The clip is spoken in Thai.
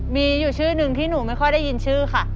มีอยู่ชื่อหนึ่งที่หนูไม่ค่อยได้ยินชื่อค่ะ